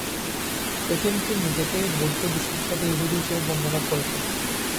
Patinkin নিজেকে "বৌদ্ধ বিশ্বাসের সাথে ইহুদি" হিসাবে বর্ণনা করেছেন।